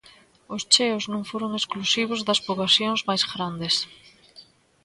Os cheos non foron exclusivos das poboacións máis grandes.